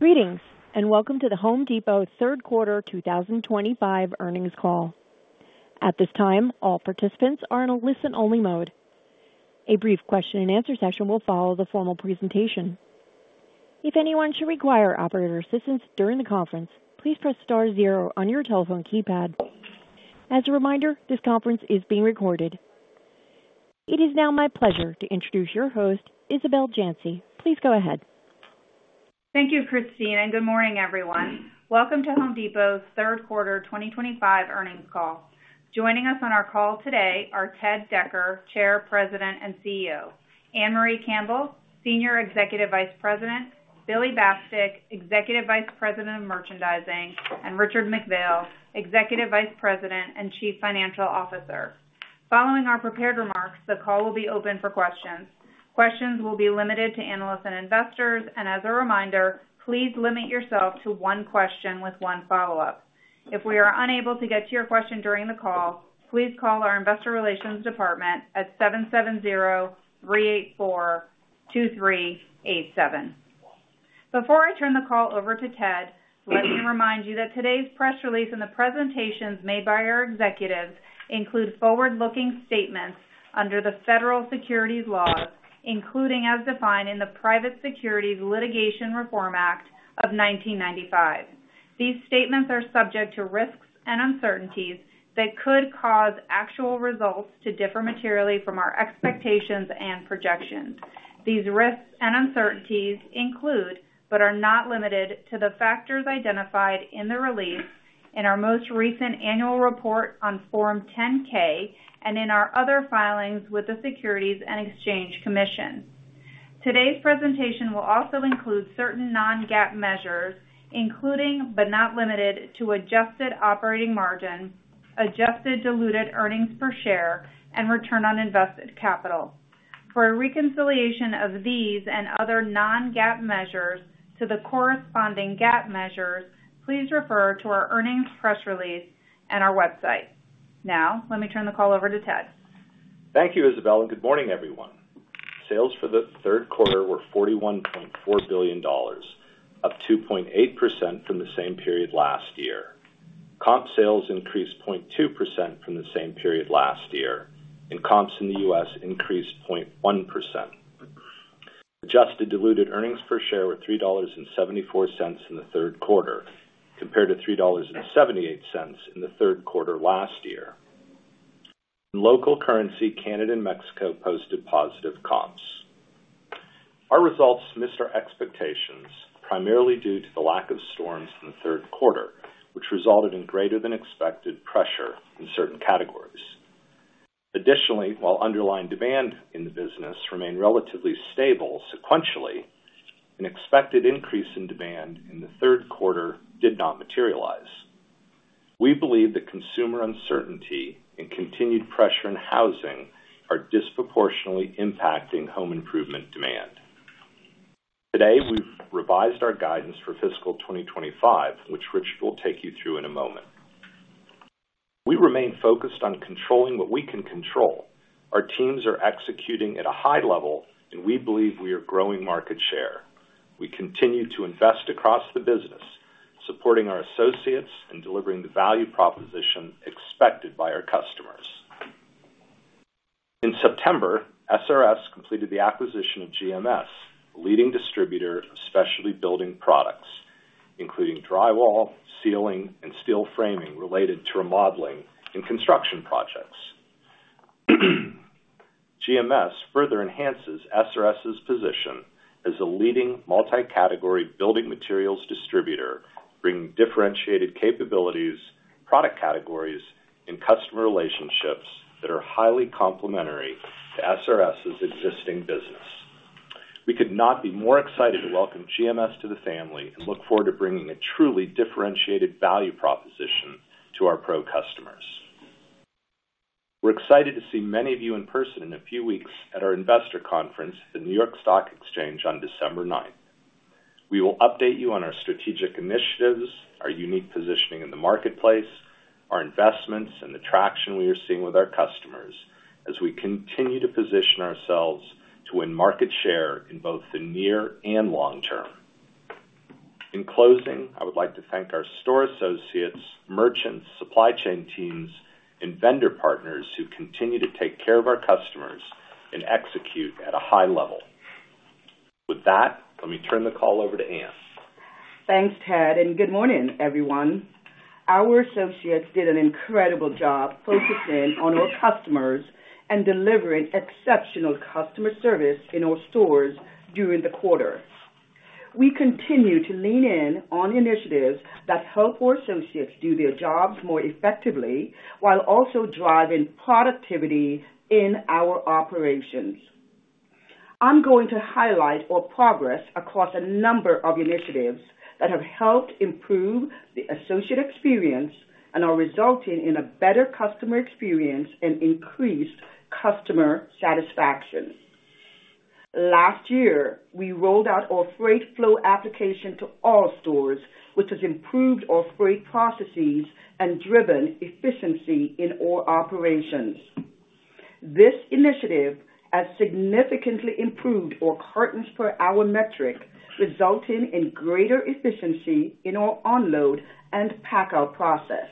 Greetings and welcome to the Home Depot Third Quarter 2025 Earnings Call. At this time, all participants are in a listen-only mode. A brief question-and-answer session will follow the formal presentation. If anyone should require operator assistance during the conference, please press star zero on your telephone keypad. As a reminder, this conference is being recorded. It is now my pleasure to introduce your host, Isabel Janci. Please go ahead. Thank you, Christine, and good morning, everyone. Welcome to Home Depot's Third Quarter 2025 Earnings Call. Joining us on our call today are Ted Decker, Chair, President, and CEO; Ann-Marie Campbell, Senior Executive Vice President; Billy Bastek, Executive Vice President of Merchandising; and Richard McPhail, Executive Vice President and Chief Financial Officer. Following our prepared remarks, the call will be open for questions. Questions will be limited to analysts and investors, and as a reminder, please limit yourself to one question with one follow-up. If we are unable to get to your question during the call, please call our investor relations department at 770-384-2387. Before I turn the call over to Ted, let me remind you that today's press release and the presentations made by our executives include forward-looking statements under the federal securities laws, including as defined in the Private Securities Litigation Reform Act of 1995. These statements are subject to risks and uncertainties that could cause actual results to differ materially from our expectations and projections. These risks and uncertainties include, but are not limited to, the factors identified in the release, in our most recent annual report on Form 10-K, and in our other filings with the Securities and Exchange Commission. Today's presentation will also include certain non-GAAP measures, including, but not limited to, adjusted operating margin, adjusted diluted earnings per share, and return on invested capital. For a reconciliation of these and other non-GAAP measures to the corresponding GAAP measures, please refer to our earnings press release and our website. Now, let me turn the call over to Ted. Thank you, Isabel, and good morning, everyone. Sales for the third quarter were $41.4 billion, up 2.8% from the same period last year. Comp sales increased 0.2% from the same period last year, and comps in the U.S. increased 0.1%. Adjusted diluted earnings per share were $3.74 in the third quarter, compared to $3.78 in the third quarter last year. In local currency, Canada and Mexico posted positive comps. Our results missed our expectations, primarily due to the lack of storms in the third quarter, which resulted in greater-than-expected pressure in certain categories. Additionally, while underlying demand in the business remained relatively stable sequentially, an expected increase in demand in the third quarter did not materialize. We believe that consumer uncertainty and continued pressure in housing are disproportionately impacting home improvement demand. Today, we've revised our guidance for fiscal 2025, which Richard will take you through in a moment. We remain focused on controlling what we can control. Our teams are executing at a high level, and we believe we are growing market share. We continue to invest across the business, supporting our associates and delivering the value proposition expected by our customers. In September, SRS completed the acquisition of GMS, a leading distributor of specialty building products, including drywall, ceiling, and steel framing related to remodeling and construction projects. GMS further enhances SRS's position as a leading multi-category building materials distributor, bringing differentiated capabilities, product categories, and customer relationships that are highly complementary to SRS's existing business. We could not be more excited to welcome GMS to the family and look forward to bringing a truly differentiated value proposition to our pro customers. We're excited to see many of you in person in a few weeks at our investor conference at the New York Stock Exchange on December 9. We will update you on our strategic initiatives, our unique positioning in the marketplace, our investments, and the traction we are seeing with our customers as we continue to position ourselves to win market share in both the near and long term. In closing, I would like to thank our store associates, merchants, supply chain teams, and vendor partners who continue to take care of our customers and execute at a high level. With that, let me turn the call over to Ann. Thanks, Ted, and good morning, everyone. Our associates did an incredible job focusing on our customers and delivering exceptional customer service in our stores during the quarter. We continue to lean in on initiatives that help our associates do their jobs more effectively while also driving productivity in our operations. I'm going to highlight our progress across a number of initiatives that have helped improve the associate experience and are resulting in a better customer experience and increased customer satisfaction. Last year, we rolled out our freight flow application to all stores, which has improved our freight processes and driven efficiency in our operations. This initiative has significantly improved our cartons per hour metric, resulting in greater efficiency in our onload and pack-out process.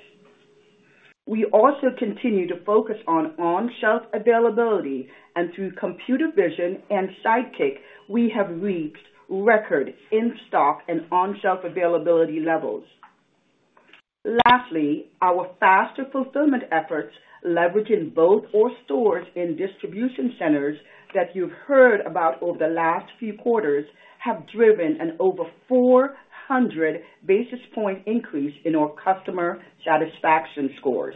We also continue to focus on on-shelf availability, and through computer vision and Sidekick, we have reached record in-stock and on-shelf availability levels. Lastly, our faster fulfillment efforts, leveraging both our stores and distribution centers that you've heard about over the last few quarters, have driven an over 400 basis point increase in our customer satisfaction scores.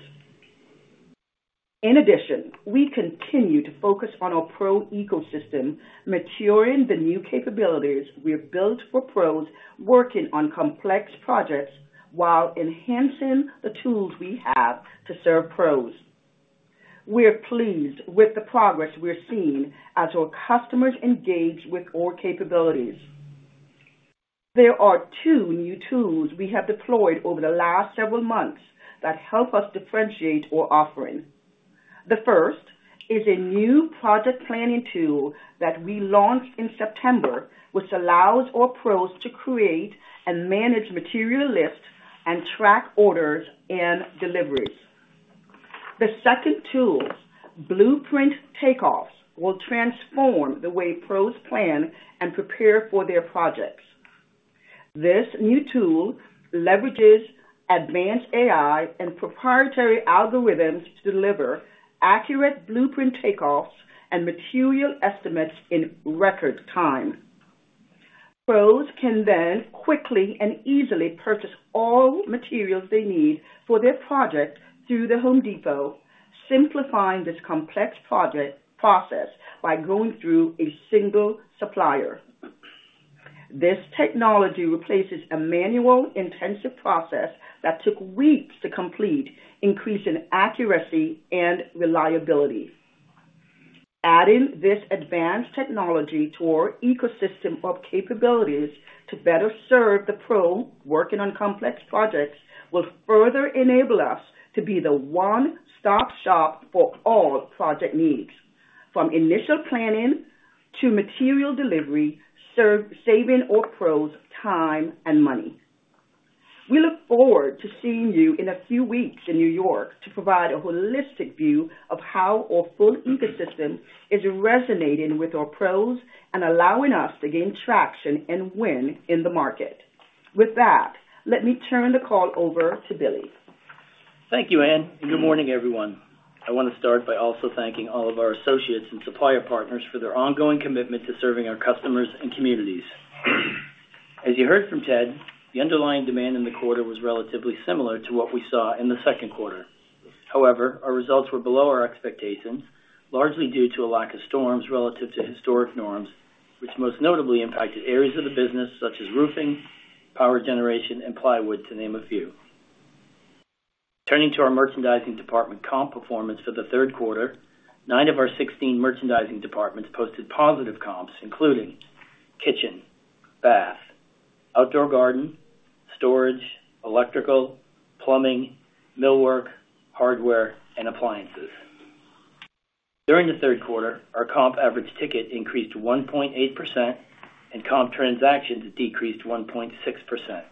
In addition, we continue to focus on our pro ecosystem, maturing the new capabilities we have built for pros working on complex projects while enhancing the tools we have to serve pros. We're pleased with the progress we're seeing as our customers engage with our capabilities. There are two new tools we have deployed over the last several months that help us differentiate our offering. The first is a new project planning tool that we launched in September, which allows our pros to create and manage material lists and track orders and deliveries. The second tool, Blueprint Takeoffs, will transform the way pros plan and prepare for their projects. This new tool leverages advanced AI and proprietary algorithms to deliver accurate blueprint takeoffs and material estimates in record time. Pros can then quickly and easily purchase all materials they need for their project through The Home Depot, simplifying this complex process by going through a single supplier. This technology replaces a manual intensive process that took weeks to complete, increasing accuracy and reliability. Adding this advanced technology to our ecosystem of capabilities to better serve the pro working on complex projects will further enable us to be the one-stop shop for all project needs, from initial planning to material delivery, saving our pros time and money. We look forward to seeing you in a few weeks in New York to provide a holistic view of how our full ecosystem is resonating with our pros and allowing us to gain traction and win in the market. With that, let me turn the call over to Billy. Thank you, Ann. Good morning, everyone. I want to start by also thanking all of our associates and supplier partners for their ongoing commitment to serving our customers and communities. As you heard from Ted, the underlying demand in the quarter was relatively similar to what we saw in the second quarter. However, our results were below our expectations, largely due to a lack of storms relative to historic norms, which most notably impacted areas of the business such as roofing, power generation, and plywood, to name a few. Turning to our merchandising department comp performance for the third quarter, nine of our 16 merchandising departments posted positive comps, including kitchen, bath, outdoor garden, storage, electrical, plumbing, millwork, hardware, and appliances. During the third quarter, our comp average ticket increased 1.8%, and comp transactions decreased 1.6%.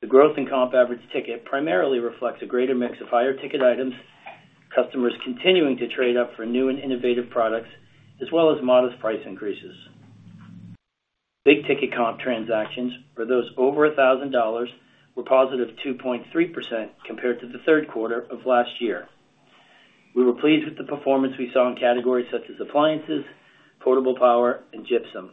The growth in comp average ticket primarily reflects a greater mix of higher ticket items, customers continuing to trade up for new and innovative products, as well as modest price increases. Big ticket comp transactions for those over $1,000 were +2.3% compared to the third quarter of last year. We were pleased with the performance we saw in categories such as appliances, portable power, and gypsum.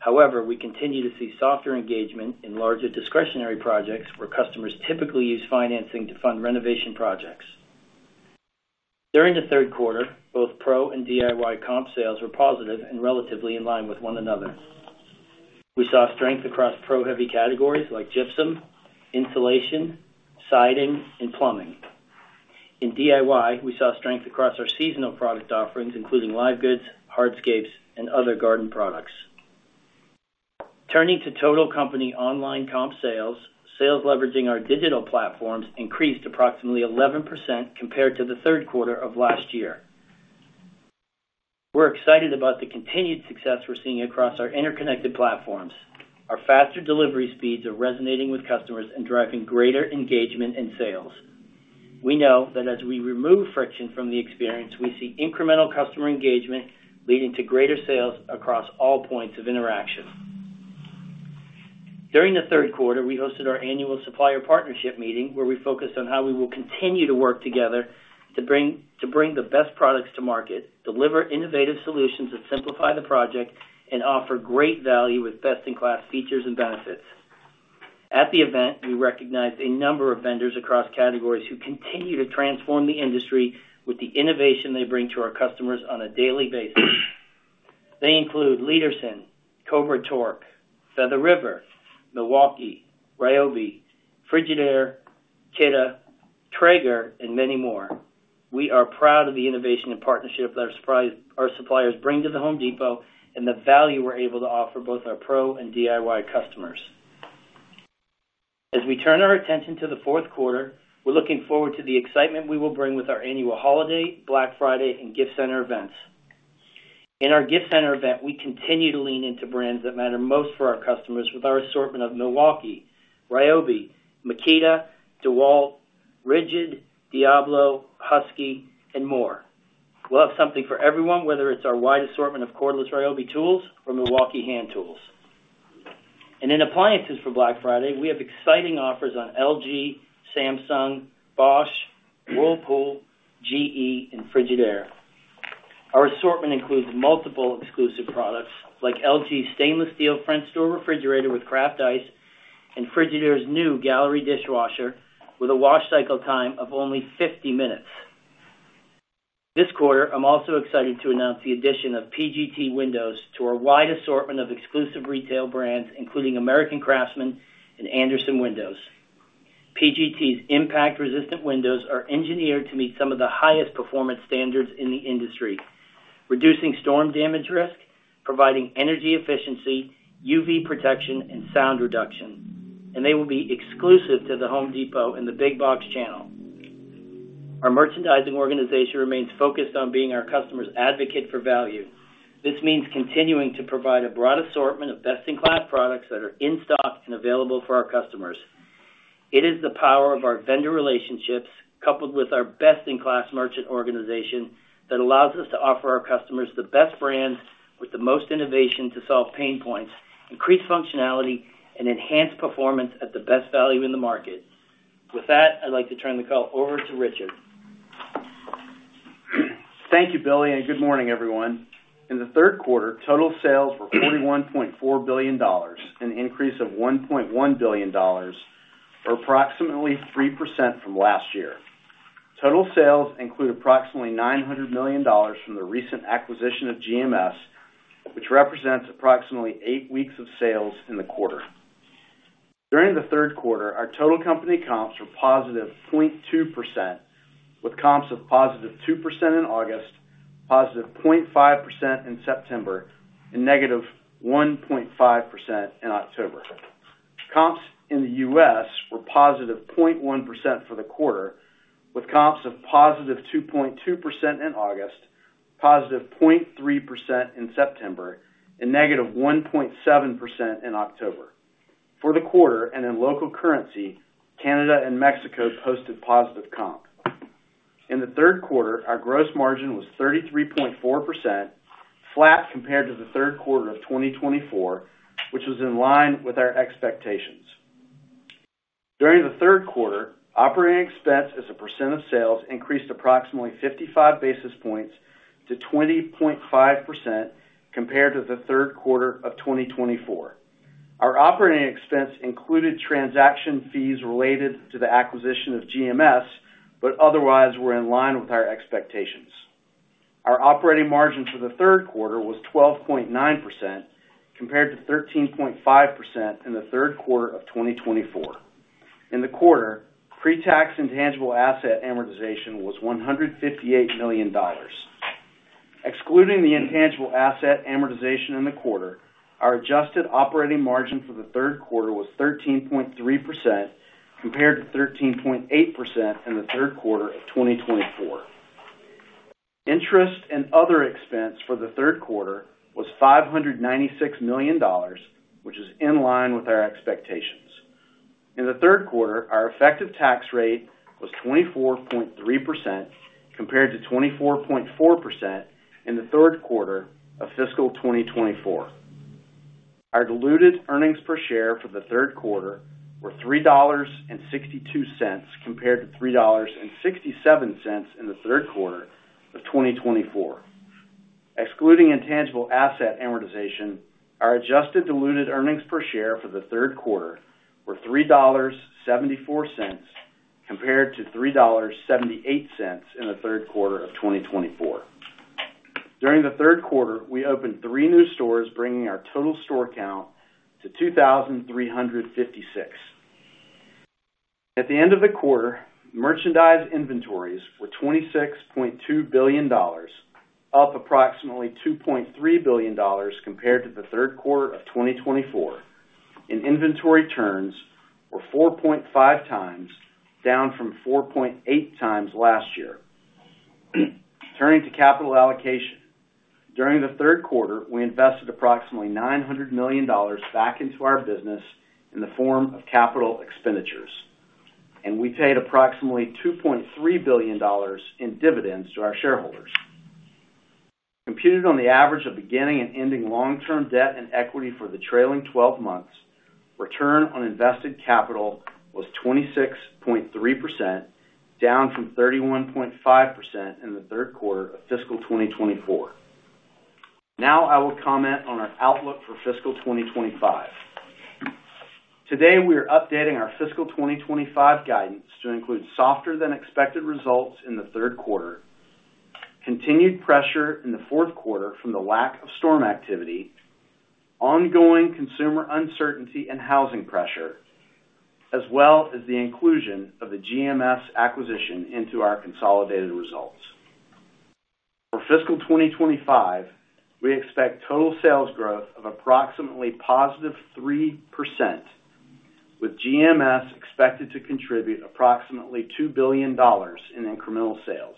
However, we continue to see softer engagement in larger discretionary projects where customers typically use financing to fund renovation projects. During the third quarter, both pro and DIY comp sales were positive and relatively in line with one another. We saw strength across pro-heavy categories like gypsum, insulation, siding, and plumbing. In DIY, we saw strength across our seasonal product offerings, including live goods, hardscapes, and other garden products. Turning to total company online comp sales, sales leveraging our digital platforms increased approximately 11% compared to the third quarter of last year. We're excited about the continued success we're seeing across our interconnected platforms. Our faster delivery speeds are resonating with customers and driving greater engagement and sales. We know that as we remove friction from the experience, we see incremental customer engagement leading to greater sales across all points of interaction. During the third quarter, we hosted our annual supplier partnership meeting where we focused on how we will continue to work together to bring the best products to market, deliver innovative solutions that simplify the project, and offer great value with best-in-class features and benefits. At the event, we recognized a number of vendors across categories who continue to transform the industry with the innovation they bring to our customers on a daily basis. They include Leadersen, Cobra Torque, Feather River, Milwaukee, Ryobi, Frigidaire, Kita, Traeger, and many more. We are proud of the innovation and partnership that our suppliers bring to The Home Depot and the value we're able to offer both our pro and DIY customers. As we turn our attention to the fourth quarter, we're looking forward to the excitement we will bring with our annual holiday, Black Friday, and gift center events. In our gift center event, we continue to lean into brands that matter most for our customers with our assortment of Milwaukee, Ryobi, Makita, DeWalt, Rigid, Diablo, Husky, and more. We will have something for everyone, whether it's our wide assortment of cordless Ryobi tools or Milwaukee hand tools. In appliances for Black Friday, we have exciting offers on LG, Samsung, Bosch, Whirlpool, GE, and Frigidaire. Our assortment includes multiple exclusive products like LG's stainless steel French door refrigerator with craft ice and Frigidaire's new Gallery dishwasher with a wash cycle time of only 50 minutes. This quarter, I'm also excited to announce the addition of PGT Windows to our wide assortment of exclusive retail brands, including American Craftsman and Anderson Windows. PGT's impact-resistant windows are engineered to meet some of the highest performance standards in the industry, reducing storm damage risk, providing energy efficiency, UV protection, and sound reduction, and they will be exclusive to The Home Depot and the big box channel. Our merchandising organization remains focused on being our customer's advocate for value. This means continuing to provide a broad assortment of best-in-class products that are in stock and available for our customers. It is the power of our vendor relationships, coupled with our best-in-class merchant organization, that allows us to offer our customers the best brands with the most innovation to solve pain points, increase functionality, and enhance performance at the best value in the market. With that, I'd like to turn the call over to Richard. Thank you, Billy, and good morning, everyone. In the third quarter, total sales were $41.4 billion, an increase of $1.1 billion, or approximately 3% from last year. Total sales include approximately $900 million from the recent acquisition of GMS, which represents approximately eight weeks of sales in the quarter. During the third quarter, our total company comps were +0.2%, with comps of +2% in August +0.5% in September, and -1.5% in October. Comps in the U.S. were +0.1% for the quarter, with comps of +2.2% in August, +0.3% in September, and -1.7% in October. For the quarter and in local currency, Canada and Mexico posted positive comp. In the third quarter, our gross margin was 33.4%, flat compared to the third quarter of 2024, which was in line with our expectations. During the third quarter, operating expense as a percent of sales increased approximately 55 basis points to 20.5% compared to the third quarter of 2024. Our operating expense included transaction fees related to the acquisition of GMS, but otherwise were in line with our expectations. Our operating margin for the third quarter was 12.9% compared to 13.5% in the third quarter of 2024. In the quarter, pre-tax intangible asset amortization was $158 million. Excluding the intangible asset amortization in the quarter, our adjusted operating margin for the third quarter was 13.3% compared to 13.8% in the third quarter of 2024. Interest and other expense for the third quarter was $596 million, which is in line with our expectations. In the third quarter, our effective tax rate was 24.3% compared to 24.4% in the third quarter of fiscal 2024. Our diluted earnings per share for the third quarter were $3.62 compared to $3.67 in the third quarter of 2024. Excluding intangible asset amortization, our adjusted diluted earnings per share for the third quarter were $3.74 compared to $3.78 in the third quarter of 2024. During the third quarter, we opened three new stores, bringing our total store count to 2,356. At the end of the quarter, merchandise inventories were $26.2 billion, up approximately $2.3 billion compared to the third quarter of 2024. In inventory terms, we are 4.5x down from 4.8x last year. Turning to capital allocation, during the third quarter, we invested approximately $900 million back into our business in the form of capital expenditures, and we paid approximately $2.3 billion in dividends to our shareholders. Computed on the average of beginning and ending long-term debt and equity for the trailing 12 months, return on invested capital was 26.3%, down from 31.5% in the third quarter of fiscal 2024. Now I will comment on our outlook for fiscal 2025. Today, we are updating our fiscal 2025 guidance to include softer-than-expected results in the third quarter, continued pressure in the fourth quarter from the lack of storm activity, ongoing consumer uncertainty and housing pressure, as well as the inclusion of the GMS acquisition into our consolidated results. For fiscal 2025, we expect total sales growth of approximately positive 3%, with GMS expected to contribute approximately $2 billion in incremental sales,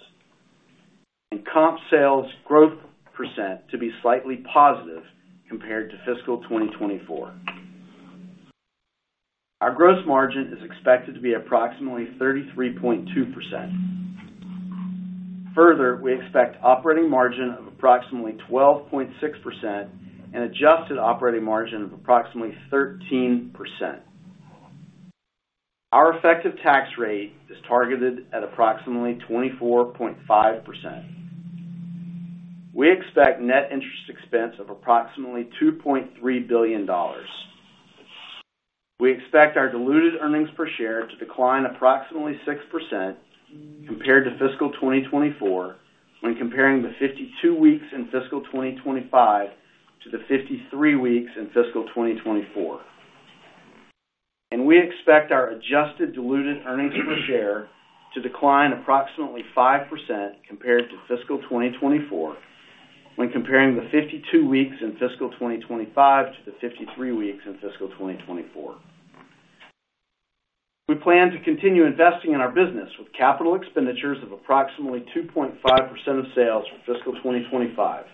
and comp sales growth percent to be slightly positive compared to fiscal 2024. Our gross margin is expected to be approximately 33.2%. Further, we expect operating margin of approximately 12.6% and adjusted operating margin of approximately 13%. Our effective tax rate is targeted at approximately 24.5%. We expect net interest expense of approximately $2.3 billion. We expect our diluted earnings per share to decline approximately 6% compared to fiscal 2024 when comparing the 52 weeks in fiscal 2025 to the 53 weeks in fiscal 2024. We expect our adjusted diluted earnings per share to decline approximately 5% compared to fiscal 2024 when comparing the 52 weeks in fiscal 2025 to the 53 weeks in fiscal 2024. We plan to continue investing in our business with capital expenditures of approximately 2.5% of sales for fiscal 2025.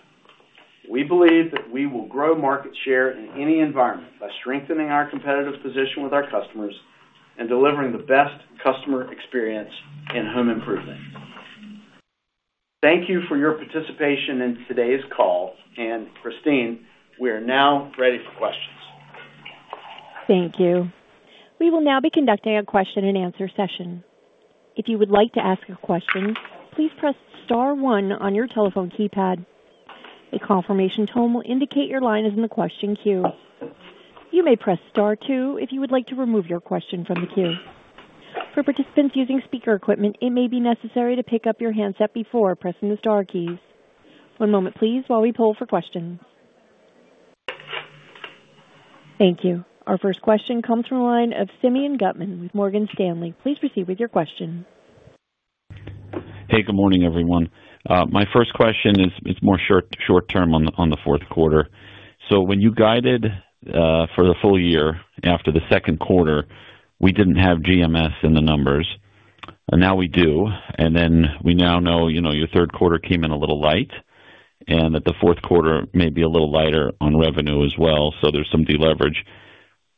We believe that we will grow market share in any environment by strengthening our competitive position with our customers and delivering the best customer experience and home improvement. Thank you for your participation in today's call. Christine, we are now ready for questions. Thank you. We will now be conducting a question-and-answer session. If you would like to ask a question, please press star one on your telephone keypad. A confirmation tone will indicate your line is in the question queue. You may press star two if you would like to remove your question from the queue. For participants using speaker equipment, it may be necessary to pick up your handset before pressing the star keys. One moment, please, while we pull for questions. Thank you. Our first question comes from a line of Simeon Gutman with Morgan Stanley. Please proceed with your question. Hey, good morning, everyone. My first question is more short-term on the fourth quarter. When you guided for the full year after the second quarter, we did not have GMS in the numbers. Now we do. We now know your third quarter came in a little light, and that the fourth quarter may be a little lighter on revenue as well, so there is some deleverage.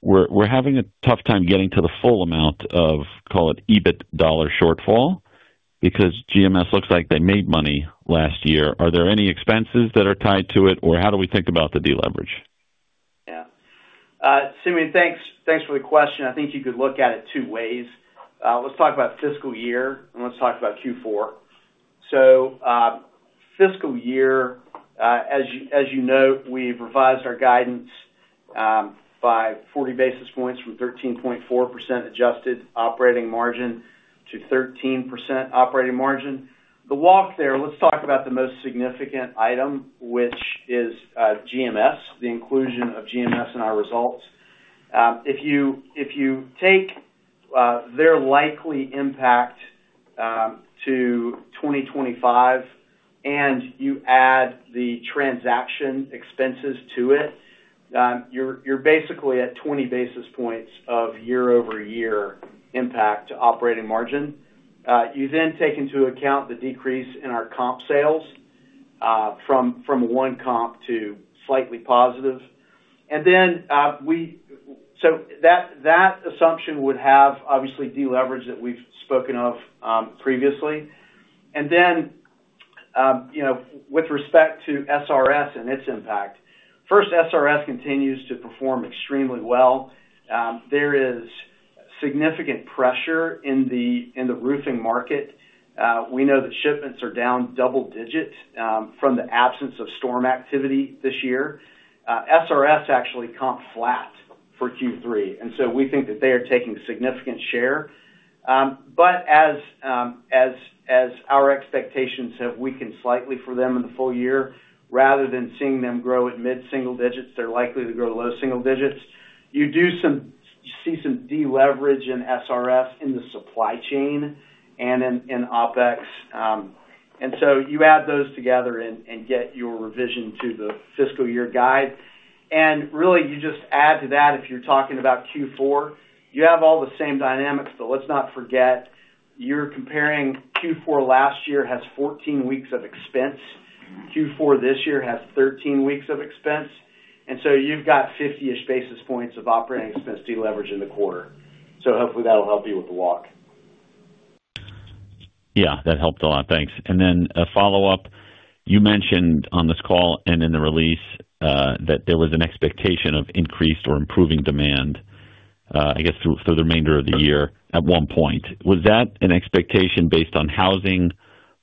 We are having a tough time getting to the full amount of, call it EBIT dollar shortfall, because GMS looks like they made money last year. Are there any expenses that are tied to it, or how do we think about the deleverage? Yeah. Simeon, thanks for the question. I think you could look at it two ways. Let's talk about fiscal year, and let's talk about Q4. Fiscal year, as you know, we've revised our guidance by 40 basis points from 13.4% adjusted operating margin to 13% operating margin. The walk there, let's talk about the most significant item, which is GMS, the inclusion of GMS in our results. If you take their likely impact to 2025 and you add the transaction expenses to it, you're basically at 20 basis points of year-over-year impact to operating margin. You then take into account the decrease in our comp sales from one comp to slightly positive. That assumption would have obviously deleverage that we've spoken of previously. With respect to SRS and its impact, first, SRS continues to perform extremely well. There is significant pressure in the roofing market. We know that shipments are down double digits from the absence of storm activity this year. SRS actually comp flat for Q3, and we think that they are taking a significant share. As our expectations have weakened slightly for them in the full year, rather than seeing them grow at mid-single digits, they are likely to grow low single digits. You do see some deleverage in SRS in the supply chain and in operating expenses. You add those together and get your revision to the fiscal year guide. Really, you just add to that if you are talking about Q4, you have all the same dynamics. Let's not forget, you are comparing Q4 last year has 14 weeks of expense. Q4 this year has 13 weeks of expense. You have 50-ish basis points of operating expense deleverage in the quarter. Hopefully that will help you with the walk. Yeah, that helped a lot. Thanks. Then a follow-up, you mentioned on this call and in the release that there was an expectation of increased or improving demand, I guess, for the remainder of the year at one point. Was that an expectation based on housing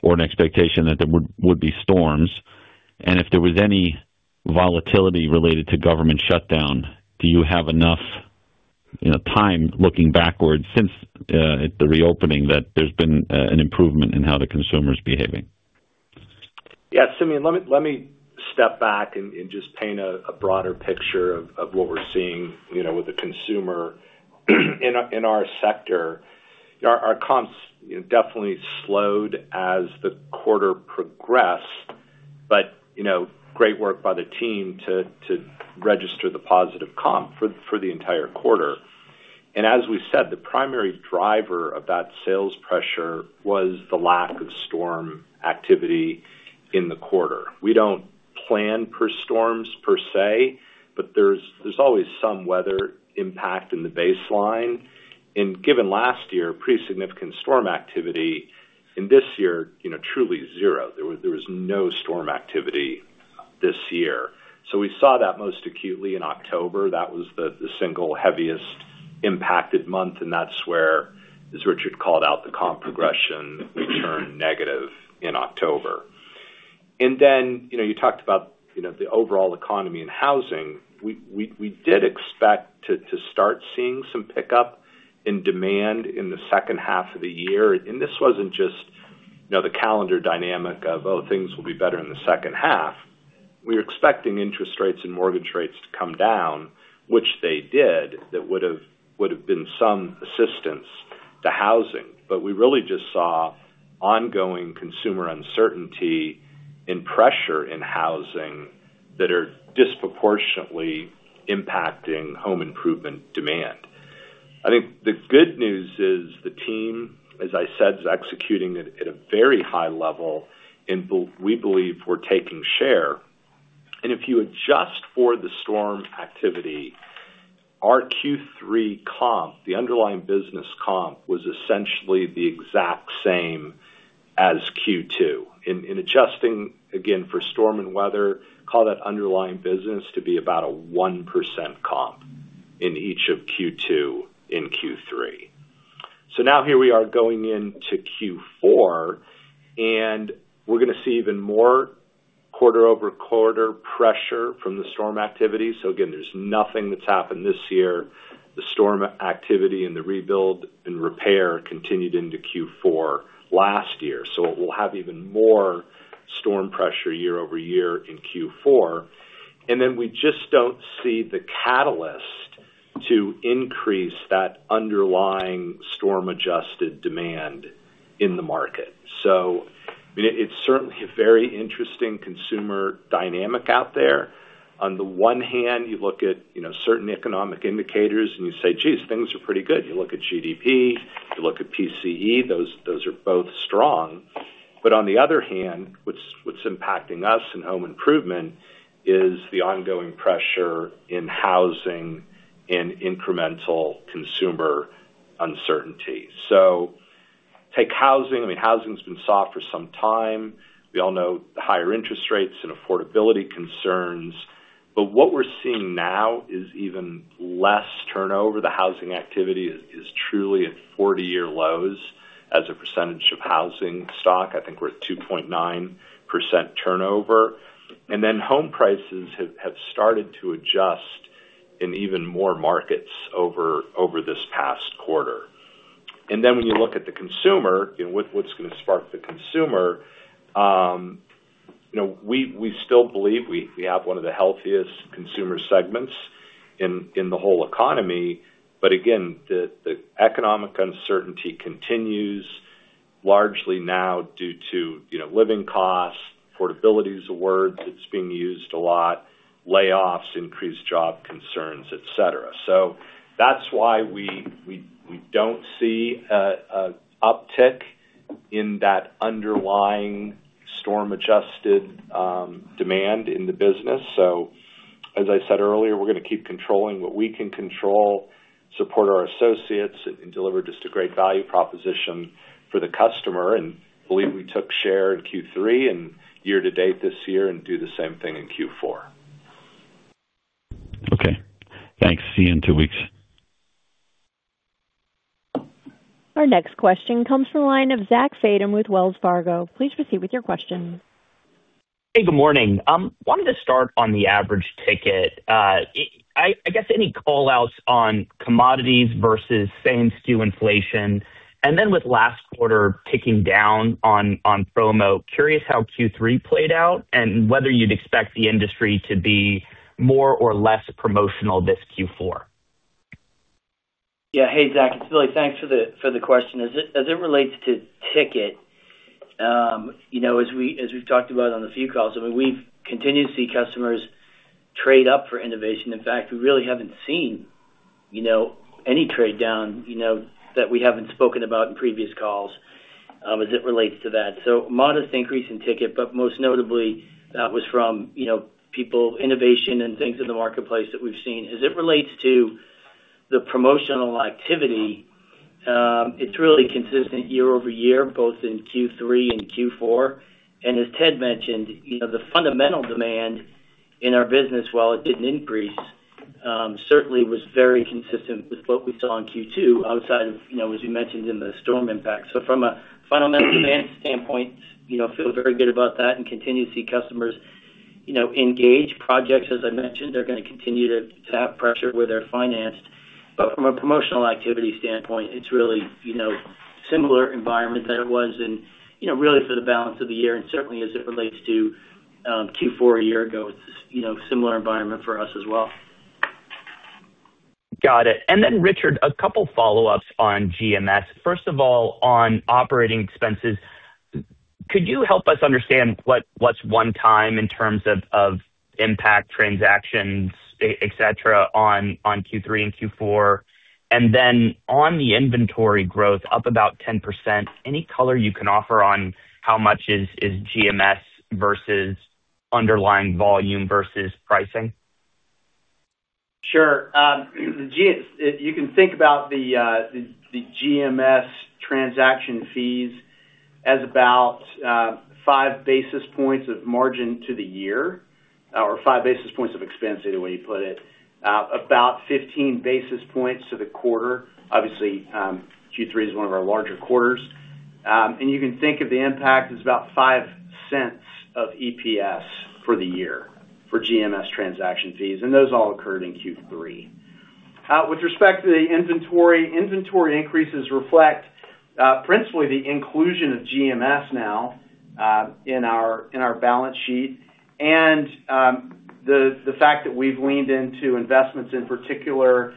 or an expectation that there would be storms? If there was any volatility related to government shutdown, do you have enough time looking backwards since the reopening that there has been an improvement in how the consumer is behaving? Yeah, Simeon, let me step back and just paint a broader picture of what we're seeing with the consumer in our sector. Our comps definitely slowed as the quarter progressed, but great work by the team to register the positive comp for the entire quarter. As we said, the primary driver of that sales pressure was the lack of storm activity in the quarter. We do not plan for storms per se, but there is always some weather impact in the baseline. Given last year, pretty significant storm activity, and this year, truly zero. There was no storm activity this year. We saw that most acutely in October. That was the single heaviest impacted month, and that is where, as Richard called out, the comp progression returned negative in October. You talked about the overall economy and housing. We did expect to start seeing some pickup in demand in the second half of the year. This was not just the calendar dynamic of, "Oh, things will be better in the second half." We were expecting interest rates and mortgage rates to come down, which they did. That would have been some assistance to housing. We really just saw ongoing consumer uncertainty and pressure in housing that are disproportionately impacting home improvement demand. I think the good news is the team, as I said, is executing at a very high level, and we believe we are taking share. If you adjust for the storm activity, our Q3 comp, the underlying business comp, was essentially the exact same as Q2. In adjusting, again, for storm and weather, call that underlying business to be about a 1% comp in each of Q2 and Q3. Now here we are going into Q4, and we're going to see even more quarter-over-quarter pressure from the storm activity. Again, there's nothing that's happened this year. The storm activity and the rebuild and repair continued into Q4 last year. We'll have even more storm pressure year-over-year in Q4. We just don't see the catalyst to increase that underlying storm-adjusted demand in the market. It's certainly a very interesting consumer dynamic out there. On the one hand, you look at certain economic indicators, and you say, "Geez, things are pretty good." You look at GDP, you look at PCE, those are both strong. On the other hand, what's impacting us in home improvement is the ongoing pressure in housing and incremental consumer uncertainty. Take housing. I mean, housing has been soft for some time. We all know the higher interest rates and affordability concerns. What we are seeing now is even less turnover. The housing activity is truly at 40-year lows as a percentage of housing stock. I think we are at 2.9% turnover. Home prices have started to adjust in even more markets over this past quarter. When you look at the consumer, what is going to spark the consumer? We still believe we have one of the healthiest consumer segments in the whole economy. Again, the economic uncertainty continues largely now due to living costs, affordability is a word that is being used a lot, layoffs, increased job concerns, et cetera. That is why we do not see an uptick in that underlying storm-adjusted demand in the business. As I said earlier, we're going to keep controlling what we can control, support our associates, and deliver just a great value proposition for the customer. I believe we took share in Q3 and year-to-date this year and will do the same thing in Q4. Okay. Thanks. See you in two weeks. Our next question comes from a line of Zack Fadem with Wells Fargo. Please proceed with your question. Hey, good morning. I wanted to start on the average ticket. I guess any callouts on commodities versus same-skew inflation, and then with last quarter ticking down on promo, curious how Q3 played out and whether you'd expect the industry to be more or less promotional this Q4. Yeah. Hey, Zack, it's Billy. Thanks for the question. As it relates to ticket, as we've talked about on a few calls, I mean, we've continued to see customers trade up for innovation. In fact, we really haven't seen any trade down that we haven't spoken about in previous calls as it relates to that. So modest increase in ticket, but most notably, that was from people, innovation, and things in the marketplace that we've seen. As it relates to the promotional activity, it's really consistent year-over-year, both in Q3 and Q4. As Ted mentioned, the fundamental demand in our business, while it didn't increase, certainly was very consistent with what we saw in Q2 outside of, as we mentioned, the storm impact. From a fundamental demand standpoint, feel very good about that and continue to see customers engage projects. As I mentioned, they're going to continue to tap pressure where they're financed. From a promotional activity standpoint, it's really a similar environment that it was in really for the balance of the year. Certainly, as it relates to Q4 a year ago, it's a similar environment for us as well. Got it. Richard, a couple of follow-ups on GMS. First of all, on operating expenses, could you help us understand what's one time in terms of impact transactions, etc., on Q3 and Q4? On the inventory growth, up about 10%, any color you can offer on how much is GMS versus underlying volume versus pricing? Sure. You can think about the GMS transaction fees as about five basis points of margin to the year or five basis points of expense, either way you put it, about 15 basis points to the quarter. Obviously, Q3 is one of our larger quarters. You can think of the impact as about $0.05 of EPS for the year for GMS transaction fees. Those all occurred in Q3. With respect to the inventory, inventory increases reflect principally the inclusion of GMS now in our balance sheet and the fact that we've leaned into investments, in particular,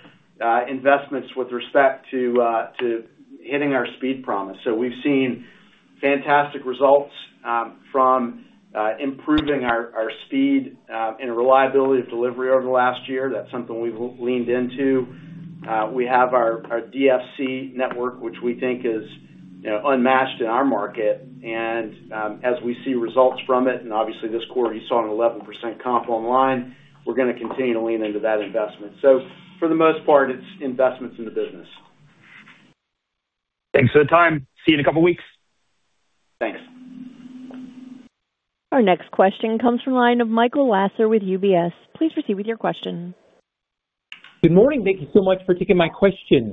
investments with respect to hitting our speed promise. We have seen fantastic results from improving our speed and reliability of delivery over the last year. That is something we've leaned into. We have our DFC network, which we think is unmatched in our market. As we see results from it, and obviously, this quarter, you saw an 11% comp online, we're going to continue to lean into that investment. For the most part, it's investments in the business. Thanks for the time. See you in a couple of weeks. Thanks. Our next question comes from a line of Michael Lasser with UBS. Please proceed with your question. Good morning. Thank you so much for taking my question.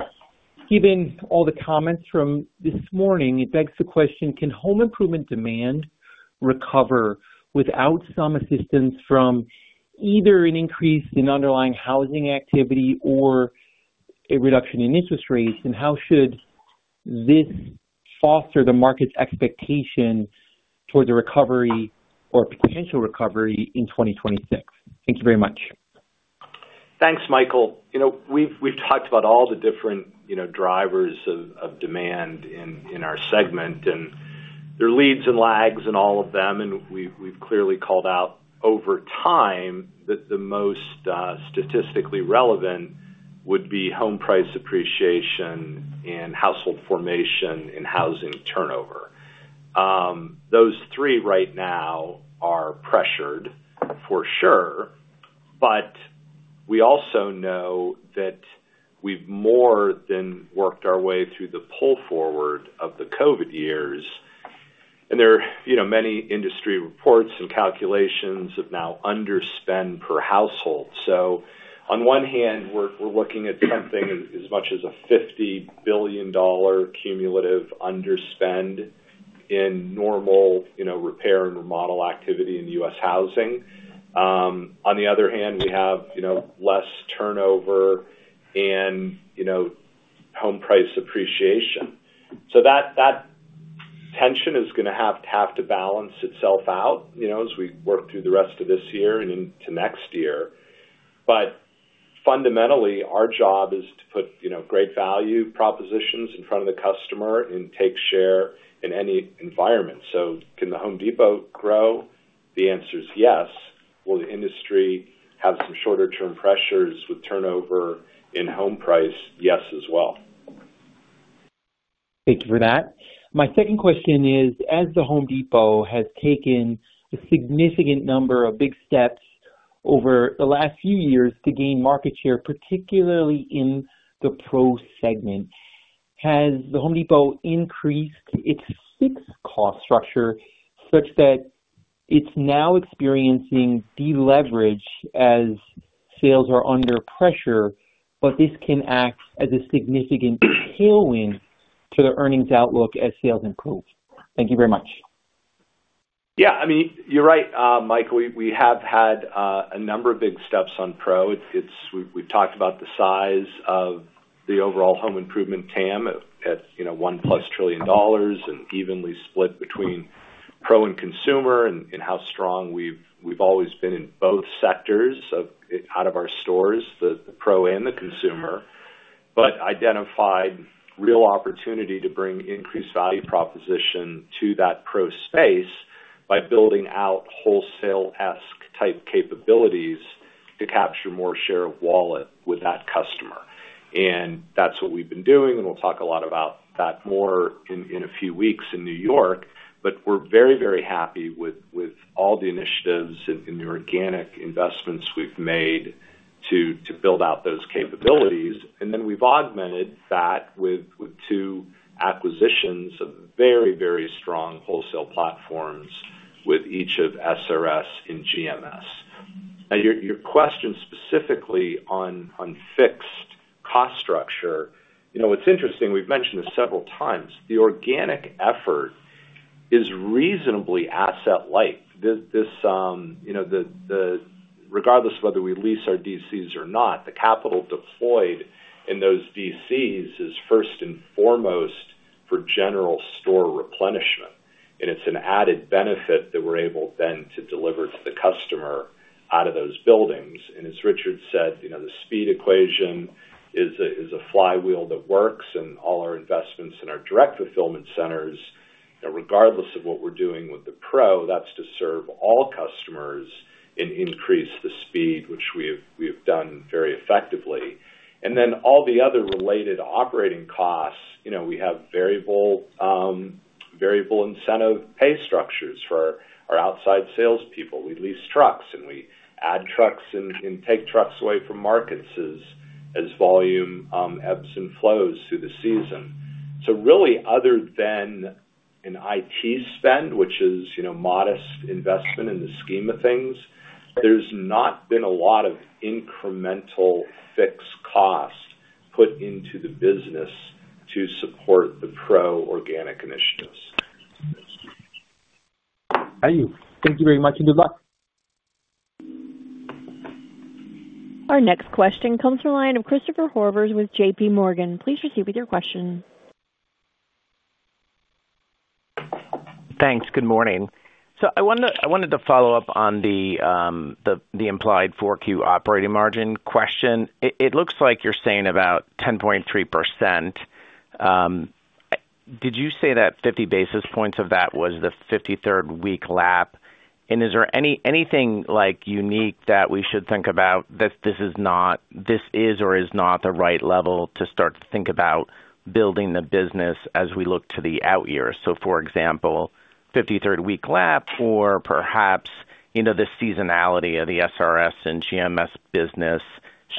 Given all the comments from this morning, it begs the question, can home improvement demand recover without some assistance from either an increase in underlying housing activity or a reduction in interest rates? How should this foster the market's expectation towards a recovery or potential recovery in 2026? Thank you very much. Thanks, Michael. We've talked about all the different drivers of demand in our segment and their leads and lags and all of them. We've clearly called out over time that the most statistically relevant would be home price appreciation and household formation and housing turnover. Those three right now are pressured for sure, but we also know that we've more than worked our way through the pull forward of the COVID years. There are many industry reports and calculations of now underspend per household. On one hand, we're looking at something as much as a $50 billion cumulative underspend in normal repair and remodel activity in U.S. housing. On the other hand, we have less turnover and home price appreciation. That tension is going to have to balance itself out as we work through the rest of this year and into next year. Fundamentally, our job is to put great value propositions in front of the customer and take share in any environment. Can The Home Depot grow? The answer is yes. Will the industry have some shorter-term pressures with turnover in home price? Yes as well. Thank you for that. My second question is, as The Home Depot has taken a significant number of big steps over the last few years to gain market share, particularly in the pro segment, has The Home Depot increased its fixed cost structure such that it's now experiencing deleverage as sales are under pressure, but this can act as a significant tailwind to the earnings outlook as sales improve? Thank you very much. Yeah. I mean, you're right, Michael. We have had a number of big steps on pro. We've talked about the size of the overall home improvement TAM at one-plus trillion dollars and evenly split between pro and consumer and how strong we've always been in both sectors out of our stores, the pro and the consumer, but identified real opportunity to bring increased value proposition to that pro space by building out wholesale-esque type capabilities to capture more share of wallet with that customer. That's what we've been doing. We'll talk a lot about that more in a few weeks in New York. We're very, very happy with all the initiatives and the organic investments we've made to build out those capabilities. We've augmented that with two acquisitions of very, very strong wholesale platforms with each of SRS and GMS. Now, your question specifically on fixed cost structure, what's interesting, we've mentioned this several times, the organic effort is reasonably asset-light. Regardless of whether we lease our DCs or not, the capital deployed in those DCs is first and foremost for general store replenishment. It is an added benefit that we're able then to deliver to the customer out of those buildings. As Richard said, the speed equation is a flywheel that works. All our investments in our direct fulfillment centers, regardless of what we're doing with the pro, that's to serve all customers and increase the speed, which we have done very effectively. All the other related operating costs, we have variable incentive pay structures for our outside salespeople. We lease trucks, and we add trucks and take trucks away from markets as volume ebbs and flows through the season. Really, other than an IT spend, which is a modest investment in the scheme of things, there's not been a lot of incremental fixed cost put into the business to support the pro organic initiatives. Thank you very much and good luck. Our next question comes from a line of Christopher Horvers with JP Morgan. Please proceed with your question. Thanks. Good morning. I wanted to follow up on the implied Q4 operating margin question. It looks like you're saying about 10.3%. Did you say that 50 basis points of that was the 53rd week lap? Is there anything unique that we should think about that this is or is not the right level to start to think about building the business as we look to the outyear? For example, 53rd week lap or perhaps the seasonality of the SRS and GMS business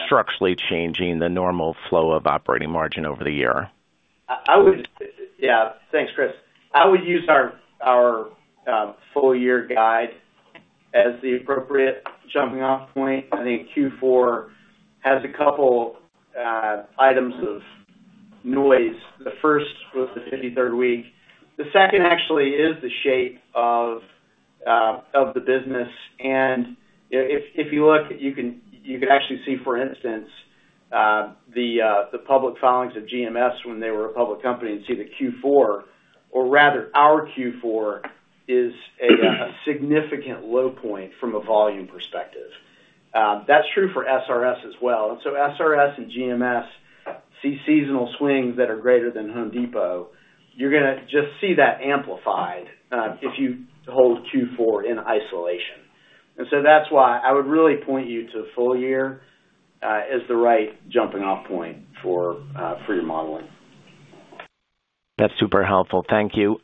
structurally changing the normal flow of operating margin over the year? Yeah. Thanks, Chris. I would use our full-year guide as the appropriate jumping-off point. I think Q4 has a couple of items of noise. The first was the 53rd week. The second actually is the shape of the business. If you look, you can actually see, for instance, the public filings of GMS when they were a public company and see the Q4, or rather our Q4 is a significant low point from a volume perspective. That is true for SRS as well. SRS and GMS see seasonal swings that are greater than Home Depot. You are going to just see that amplified if you hold Q4 in isolation. That is why I would really point you to full year as the right jumping-off point for your modeling. That's super helpful. Thank you.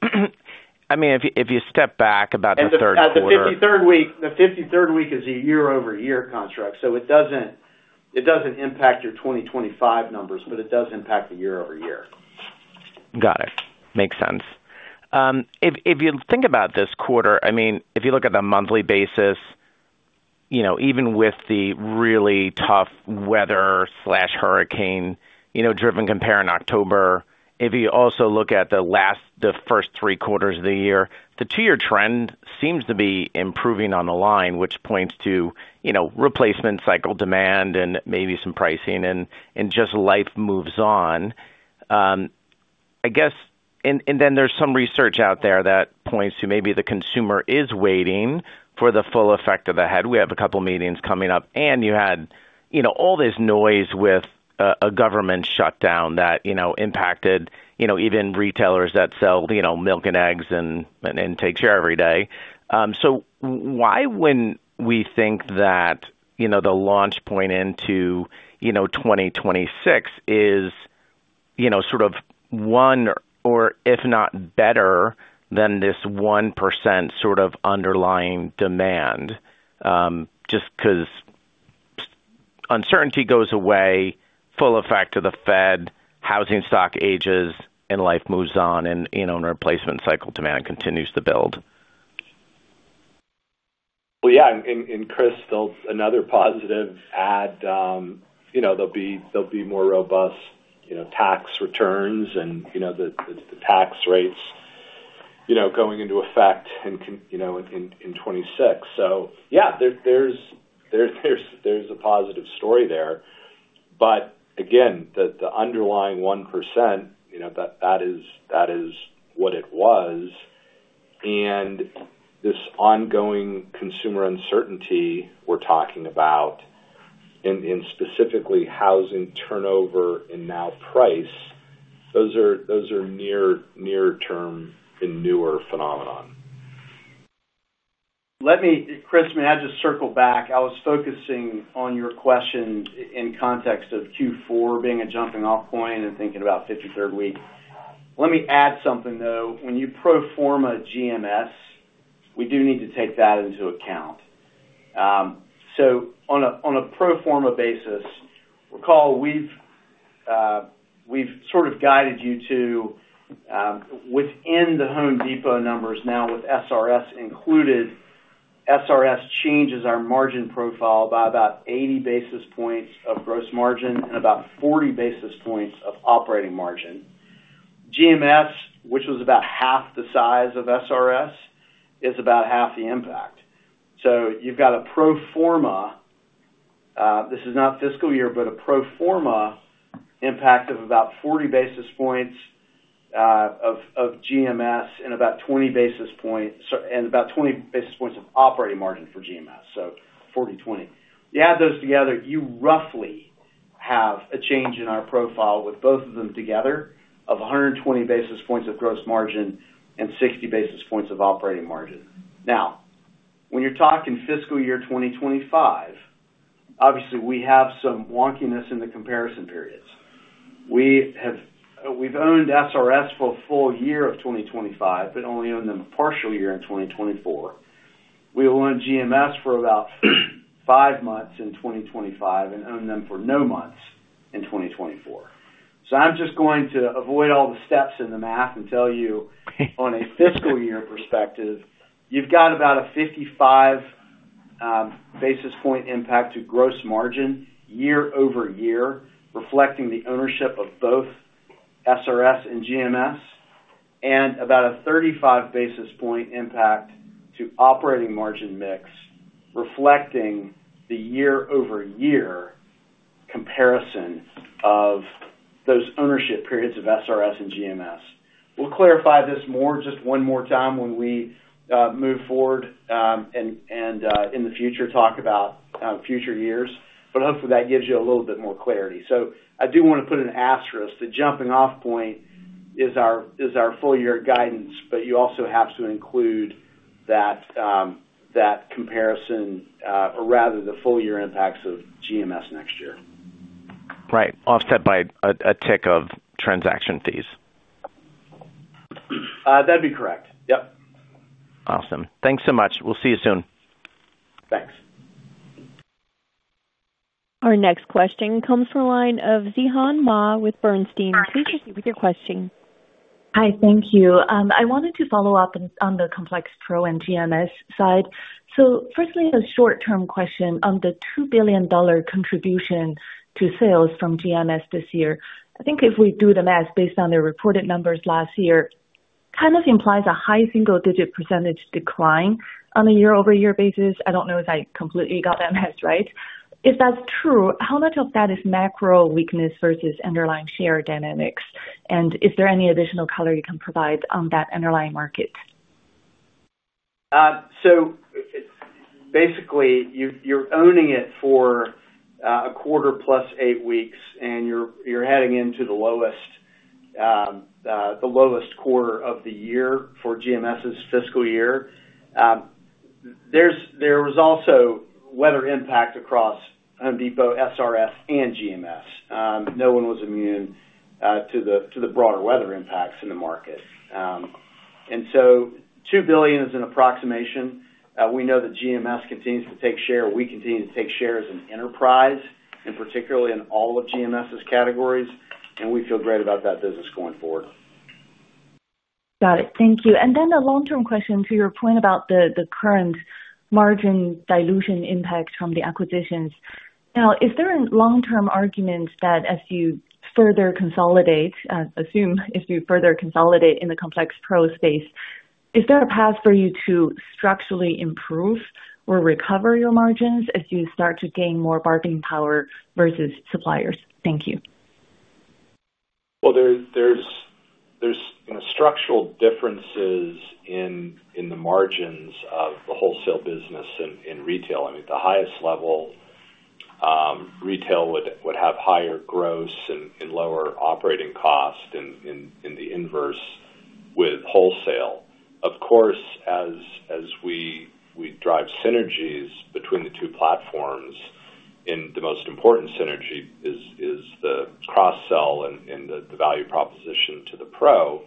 I mean, if you step back about the third quarter. The 53rd week is a year-over-year construct. So it does not impact your 2025 numbers, but it does impact the year-over-year. Got it. Makes sense. If you think about this quarter, I mean, if you look at the monthly basis, even with the really tough weather/hurricane-driven compare in October, if you also look at the first three quarters of the year, the two-year trend seems to be improving on the line, which points to replacement cycle demand and maybe some pricing, and just life moves on. There is some research out there that points to maybe the consumer is waiting for the full effect of the head. We have a couple of meetings coming up. You had all this noise with a government shutdown that impacted even retailers that sell milk and eggs and take share every day. Why would we not think that the launch point into 2026 is sort of one or, if not better, than this 1% sort of underlying demand? Just because uncertainty goes away, full effect of the fed, housing stock ages, and life moves on, and replacement cycle demand continues to build. Yeah. Chris, there's another positive ad. There will be more robust tax returns and the tax rates going into effect in 2026. Yeah, there's a positive story there. Again, the underlying 1%, that is what it was. This ongoing consumer uncertainty we're talking about, and specifically housing turnover and now price, those are near-term and newer phenomenon. Chris, may I just circle back? I was focusing on your question in context of Q4 being a jumping-off point and thinking about 53rd week. Let me add something, though. When you pro forma GMS, we do need to take that into account. On a pro forma basis, recall we've sort of guided you to, within the Home Depot numbers now with SRS included, SRS changes our margin profile by about 80 basis points of gross margin and about 40 basis points of operating margin. GMS, which was about half the size of SRS, is about half the impact. You have a pro forma—this is not fiscal year—but a pro forma impact of about 40 basis points of GMS and about 20 basis points of operating margin for GMS. So 40, 20. You add those together, you roughly have a change in our profile with both of them together of 120 basis points of gross margin and 60 basis points of operating margin. Now, when you are talking fiscal year 2025, obviously, we have some wonkiness in the comparison periods. We have owned SRS for a full year of 2025, but only owned them a partial year in 2024. We owned GMS for about five months in 2025 and owned them for no months in 2024. I'm just going to avoid all the steps in the math and tell you, on a fiscal year perspective, you've got about a 55 basis point impact to gross margin year over year, reflecting the ownership of both SRS and GMS, and about a 35 basis point impact to operating margin mix, reflecting the year-over-year comparison of those ownership periods of SRS and GMS. We'll clarify this more just one more time when we move forward and in the future talk about future years. Hopefully, that gives you a little bit more clarity. I do want to put an asterisk. The jumping-off point is our full-year guidance, but you also have to include that comparison, or rather the full-year impacts of GMS next year. Right. Offset by a tick of transaction fees. That'd be correct. Yep. Awesome. Thanks so much. We'll see you soon. Thanks. Our next question comes from a line of Zhihan Ma with Bernstein. Please proceed with your question. Hi. Thank you. I wanted to follow up on the complex pro and GMS side. Firstly, a short-term question on the $2 billion contribution to sales from GMS this year. I think if we do the math based on the reported numbers last year, it kind of implies a high single-digit percentage decline on a year-over-year basis. I do not know if I completely got that math right. If that is true, how much of that is macro weakness versus underlying share dynamics? Is there any additional color you can provide on that underlying market? You're owning it for a quarter plus eight weeks, and you're heading into the lowest quarter of the year for GMS's fiscal year. There was also weather impact across Home Depot, SRS, and GMS. No one was immune to the broader weather impacts in the market. $2 billion is an approximation. We know that GMS continues to take share. We continue to take shares in enterprise, and particularly in all of GMS's categories. We feel great about that business going forward. Got it. Thank you. Then a long-term question to your point about the current margin dilution impact from the acquisitions. Now, is there a long-term argument that as you further consolidate, assume if you further consolidate in the complex pro space, is there a path for you to structurally improve or recover your margins as you start to gain more bargaining power versus suppliers? Thank you. There are structural differences in the margins of the wholesale business and retail. I mean, at the highest level, retail would have higher gross and lower operating cost, and the inverse with wholesale. Of course, as we drive synergies between the two platforms, and the most important synergy is the cross-sell and the value proposition to the pro,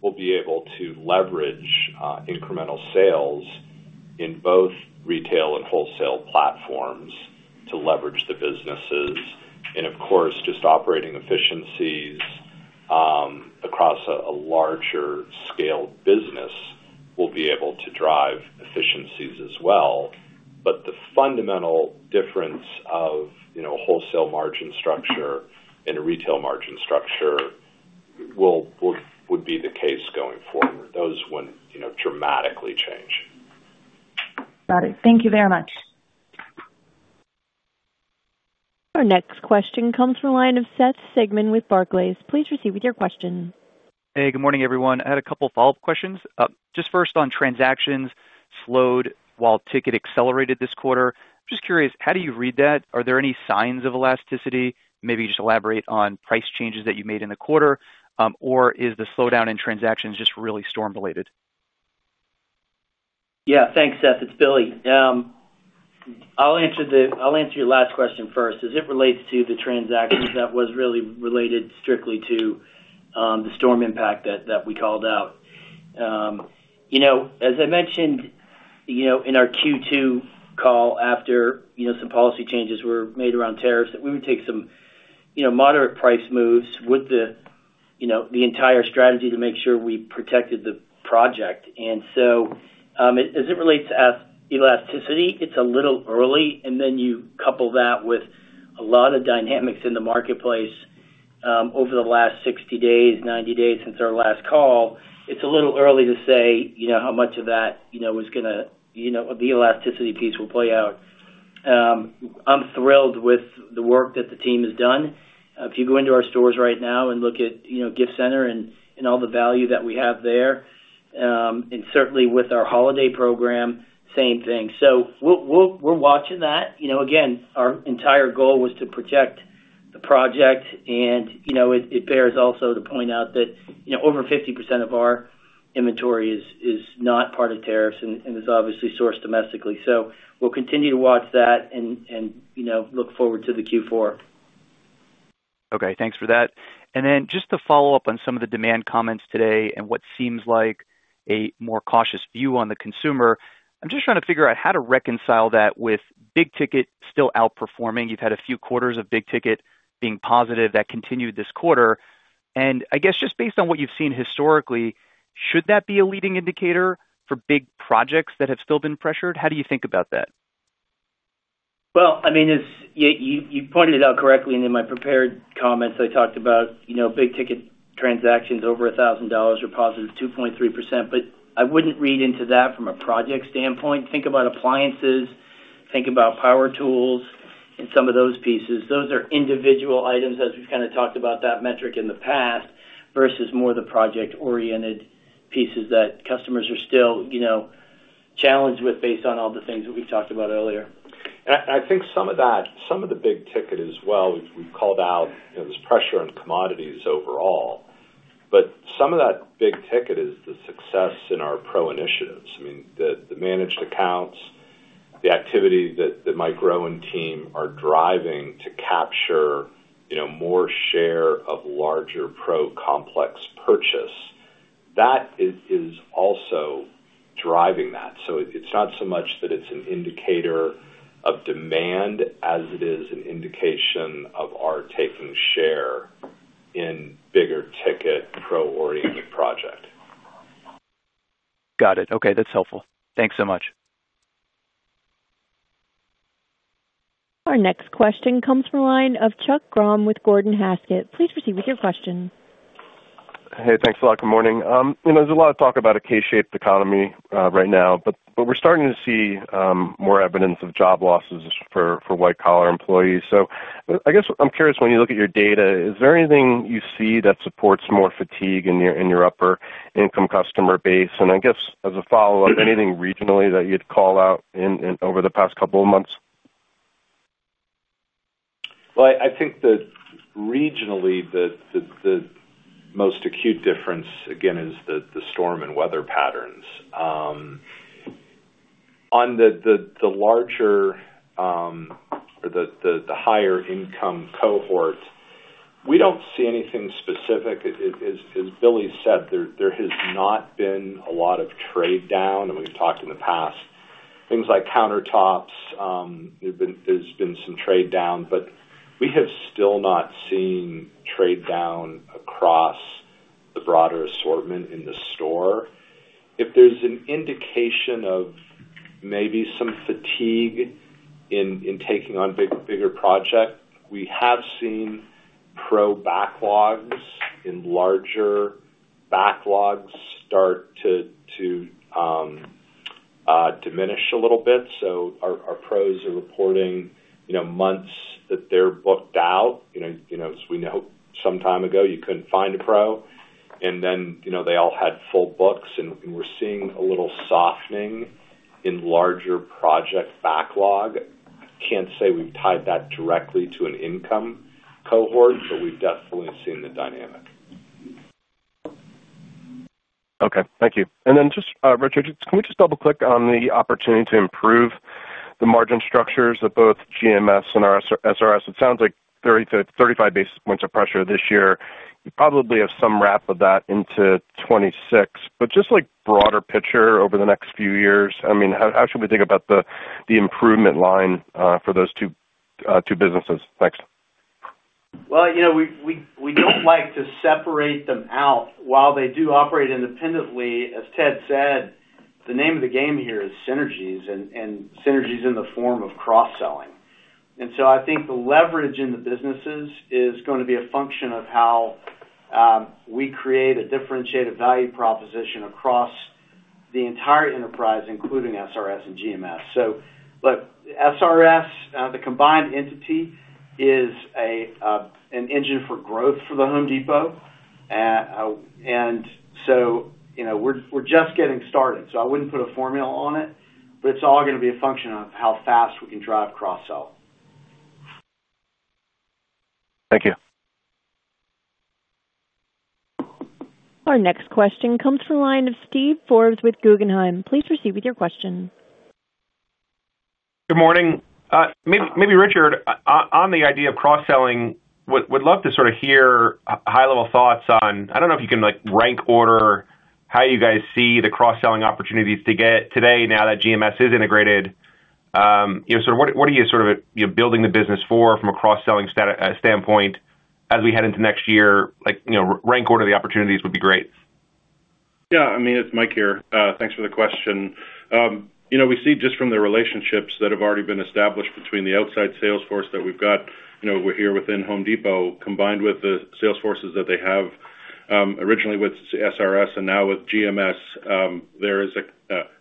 we'll be able to leverage incremental sales in both retail and wholesale platforms to leverage the businesses. Of course, just operating efficiencies across a larger scale business will be able to drive efficiencies as well. The fundamental difference of wholesale margin structure and retail margin structure would be the case going forward. Those would not dramatically change. Got it. Thank you very much. Our next question comes from a line of Seth Sigman with Barclays. Please proceed with your question. Hey, good morning, everyone. I had a couple of follow-up questions. Just first on transactions slowed while ticket accelerated this quarter. I'm just curious, how do you read that? Are there any signs of elasticity? Maybe just elaborate on price changes that you made in the quarter, or is the slowdown in transactions just really storm-related? Yeah. Thanks, Seth. It's Billy. I'll answer your last question first. As it relates to the transactions, that was really related strictly to the storm impact that we called out. As I mentioned in our Q2 call, after some policy changes were made around tariffs, that we would take some moderate price moves with the entire strategy to make sure we protected the project. As it relates to elasticity, it's a little early. You couple that with a lot of dynamics in the marketplace over the last 60 days, 90 days since our last call, it's a little early to say how much of that was going to be elasticity piece will play out. I'm thrilled with the work that the team has done. If you go into our stores right now and look at Gift Center and all the value that we have there, and certainly with our holiday program, same thing. We're watching that. Again, our entire goal was to protect the project. It bears also to point out that over 50% of our inventory is not part of tariffs and is obviously sourced domestically. We'll continue to watch that and look forward to the Q4. Okay. Thanks for that. Just to follow up on some of the demand comments today and what seems like a more cautious view on the consumer, I'm just trying to figure out how to reconcile that with big ticket still outperforming. You've had a few quarters of big ticket being positive, that continued this quarter. I guess just based on what you've seen historically, should that be a leading indicator for big projects that have still been pressured? How do you think about that? I mean, you pointed it out correctly in my prepared comments. I talked about big ticket transactions over $1,000 are +2.3%. I would not read into that from a project standpoint. Think about appliances. Think about power tools and some of those pieces. Those are individual items as we have kind of talked about that metric in the past versus more the project-oriented pieces that customers are still challenged with based on all the things that we have talked about earlier. I think some of that, some of the big ticket as well, we've called out this pressure on commodities overall. Some of that big ticket is the success in our pro initiatives. I mean, the managed accounts, the activity that my growing team are driving to capture more share of larger pro complex purchase. That is also driving that. It's not so much that it's an indicator of demand as it is an indication of our taking share in bigger ticket pro-oriented project. Got it. Okay. That's helpful. Thanks so much. Our next question comes from a line of Chuck Grom with Gordon Haskett. Please proceed with your question. Hey, thanks a lot. Good morning. There's a lot of talk about a K-shaped economy right now, but we're starting to see more evidence of job losses for white-collar employees. I guess I'm curious, when you look at your data, is there anything you see that supports more fatigue in your upper-income customer base? I guess as a follow-up, anything regionally that you'd call out over the past couple of months? I think regionally, the most acute difference, again, is the storm and weather patterns. On the larger or the higher-income cohort, we do not see anything specific. As Billy said, there has not been a lot of trade down. We have talked in the past, things like countertops, there has been some trade down, but we have still not seen trade down across the broader assortment in the store. If there is an indication of maybe some fatigue in taking on bigger projects, we have seen pro backlogs and larger backlogs start to diminish a little bit. Our pros are reporting months that they are booked out. As we know, some time ago, you could not find a pro. They all had full books. We are seeing a little softening in larger project backlog. I cannot say we have tied that directly to an income cohort, but we have definitely seen the dynamic. Okay. Thank you. Richard, can we just double-click on the opportunity to improve the margin structures of both GMS and SRS? It sounds like 35 basis points of pressure this year. You probably have some wrap of that into 2026. I mean, just broader picture over the next few years, how should we think about the improvement line for those two businesses? Thanks. We do not like to separate them out. While they do operate independently, as Ted said, the name of the game here is synergies, and synergies in the form of cross-selling. I think the leverage in the businesses is going to be a function of how we create a differentiated value proposition across the entire enterprise, including SRS and GMS. SRS, the combined entity, is an engine for growth for The Home Depot. We are just getting started. I would not put a formula on it, but it is all going to be a function of how fast we can drive cross-sell. Thank you. Our next question comes from a line of Steve Forbes with Guggenheim. Please proceed with your question. Good morning. Maybe, Richard, on the idea of cross-selling, would love to sort of hear high-level thoughts on, I do not know if you can rank order how you guys see the cross-selling opportunities today now that GMS is integrated. Sort of what are you sort of building the business for from a cross-selling standpoint as we head into next year? Rank order the opportunities would be great. Yeah. I mean, it's Mike here. Thanks for the question. We see just from the relationships that have already been established between the outside salesforce that we've got, we're here within Home Depot, combined with the salesforces that they have originally with SRS and now with GMS, there is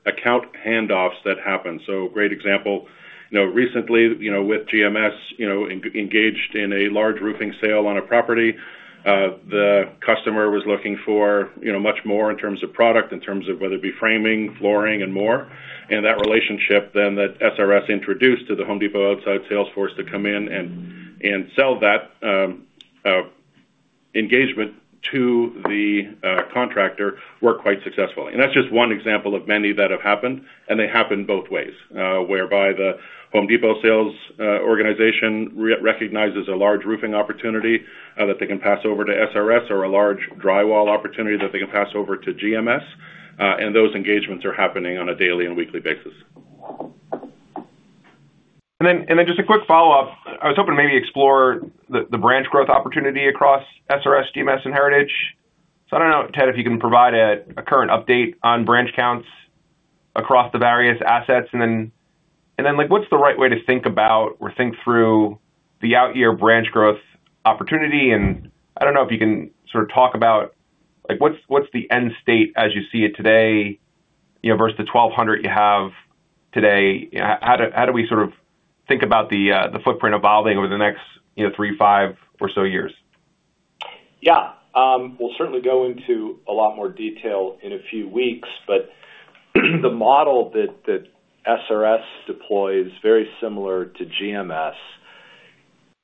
account handoffs that happen. A great example recently with GMS engaged in a large roofing sale on a property. The customer was looking for much more in terms of product, in terms of whether it be framing, flooring, and more. That relationship then that SRS introduced to the Home Depot outside salesforce to come in and sell that engagement to the contractor worked quite successfully. That is just one example of many that have happened, and they happen both ways, whereby the Home Depot sales organization recognizes a large roofing opportunity that they can pass over to SRS or a large drywall opportunity that they can pass over to GMS. Those engagements are happening on a daily and weekly basis. Just a quick follow-up. I was hoping maybe to explore the branch growth opportunity across SRS, GMS, and Heritage. I do not know, Ted, if you can provide a current update on branch counts across the various assets. What is the right way to think about or think through the out-year branch growth opportunity? I do not know if you can sort of talk about what is the end state as you see it today versus the 1,200 you have today. How do we sort of think about the footprint evolving over the next three, five or so years? Yeah. We'll certainly go into a lot more detail in a few weeks. The model that SRS deploys is very similar to GMS,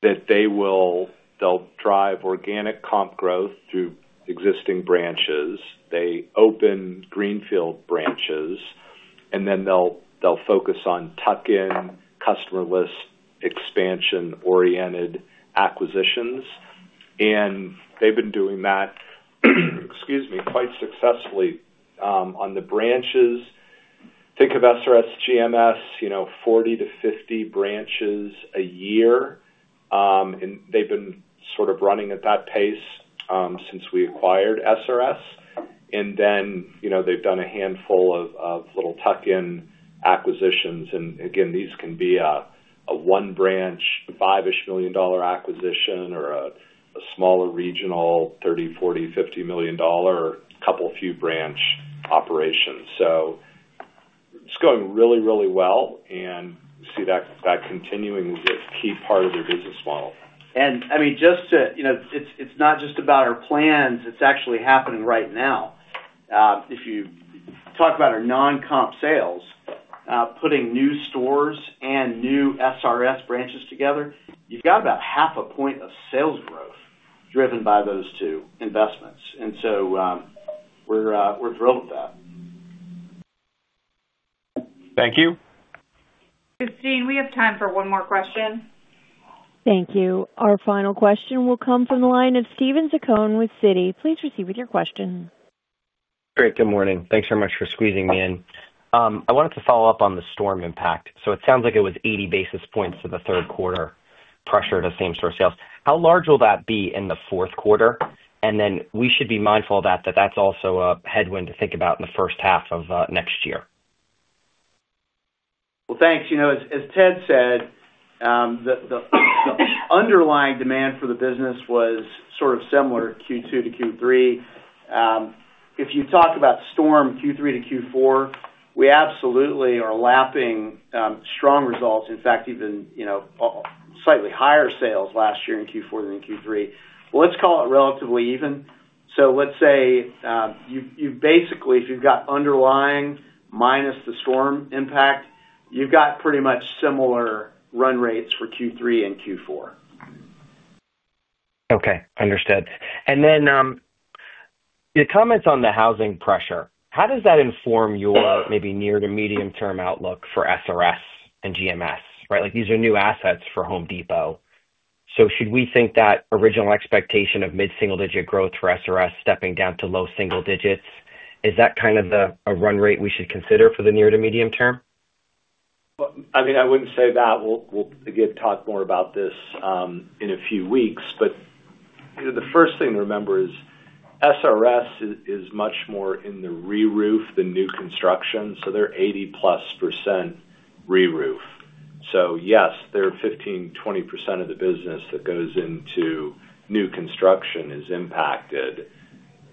that they'll drive organic comp growth through existing branches. They open greenfield branches, and then they'll focus on tuck-in, customer list, expansion-oriented acquisitions. They've been doing that, excuse me, quite successfully on the branches. Think of SRS, GMS, 40-50 branches a year. They've been sort of running at that pace since we acquired SRS. They've done a handful of little tuck-in acquisitions. These can be a one-branch, $5 million acquisition or a smaller regional $30-$50 million, couple few branch operations. It's going really, really well. We see that continuing as a key part of their business model. I mean, just to, it's not just about our plans. It's actually happening right now. If you talk about our non-comp sales, putting new stores and new SRS branches together, you've got about half a point of sales growth driven by those two investments. We're thrilled with that. Thank you. Christine, we have time for one more question. Thank you. Our final question will come from the line of Steven Zaccone with Citi. Please proceed with your question. Great. Good morning. Thanks very much for squeezing me in. I wanted to follow up on the storm impact. It sounds like it was 80 basis points to the third quarter. Pressure to same-store sales. How large will that be in the fourth quarter? We should be mindful of that, that that's also a headwind to think about in the first half of next year. As Ted said, the underlying demand for the business was sort of similar Q2 to Q3. If you talk about storm Q3 to Q4, we absolutely are lapping strong results. In fact, even slightly higher sales last year in Q4 than in Q3. Let's call it relatively even. Let's say you basically, if you've got underlying minus the storm impact, you've got pretty much similar run rates for Q3 and Q4. Okay. Understood. Your comments on the housing pressure, how does that inform your maybe near to medium-term outlook for SRS and GMS, right? These are new assets for Home Depot. Should we think that original expectation of mid-single-digit growth for SRS stepping down to low single digits, is that kind of a run rate we should consider for the near to medium term? I mean, I would not say that. We will again talk more about this in a few weeks. The first thing to remember is SRS is much more in the re-roof than new construction. They are 80-plus % re-roof. Yes, there are 15%-20% of the business that goes into new construction is impacted.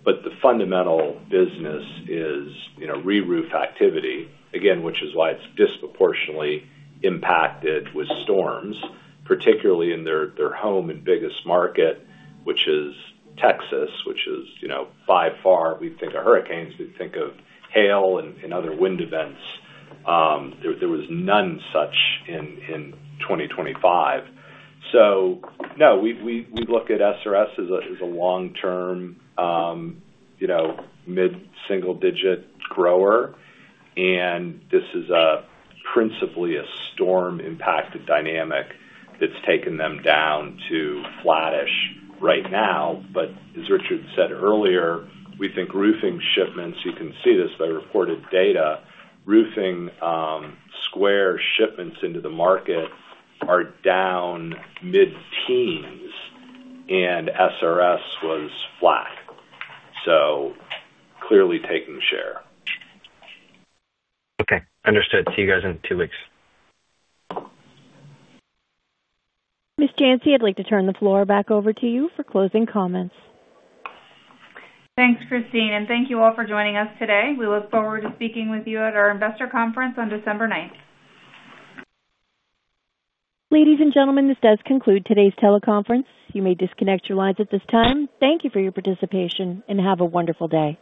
The fundamental business is re-roof activity, which is why it is disproportionately impacted with storms, particularly in their home and biggest market, which is Texas, which is by far. We think of hurricanes. We think of hail and other wind events. There was none such in 2023. No, we look at SRS as a long-term mid-single-digit grower. This is principally a storm-impacted dynamic that has taken them down to flattish right now. As Richard said earlier, we think roofing shipments, you can see this by reported data, roofing square shipments into the market are down mid-teens. SRS was flat. Clearly taking share. Okay. Understood. See you guys in two weeks. Ms. Janci, I'd like to turn the floor back over to you for closing comments. Thanks, Christine. Thank you all for joining us today. We look forward to speaking with you at our investor conference on December 9. Ladies and gentlemen, this does conclude today's teleconference. You may disconnect your lines at this time. Thank you for your participation and have a wonderful day.